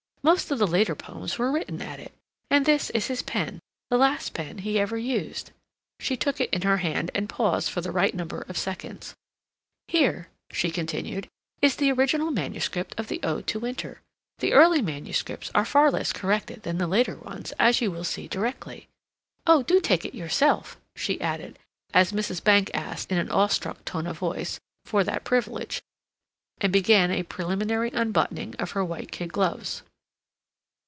Most of the later poems were written at it. And this is his pen—the last pen he ever used." She took it in her hand and paused for the right number of seconds. "Here," she continued, "is the original manuscript of the 'Ode to Winter.' The early manuscripts are far less corrected than the later ones, as you will see directly.... Oh, do take it yourself," she added, as Mrs. Bankes asked, in an awestruck tone of voice, for that privilege, and began a preliminary unbuttoning of her white kid gloves.